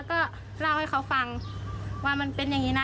ก็เล่าให้เขาฟังว่ามันเป็นอย่างนี้นะ